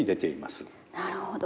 なるほど。